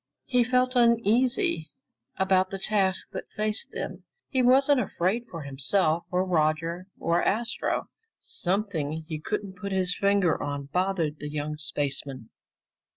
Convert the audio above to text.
He felt uneasy about the task that faced them. He wasn't afraid for himself, or Roger, or Astro. Something he couldn't put his finger on bothered the young spaceman.